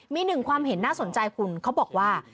มีหนึ่งความเห็นน่าสนใจคุณเขาบอกว่า